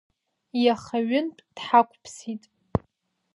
Иаха ҩынтә дҳақәԥсит…